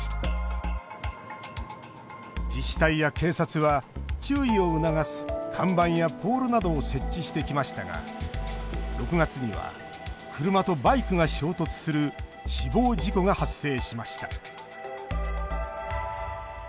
自治体や警察は注意を促す看板やポールなどを設置してきましたが６月には車とバイクが衝突する死亡事故が発生しました。